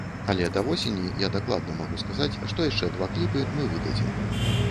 Але да восені я дакладна магу сказаць, што яшчэ два кліпы мы выдадзім.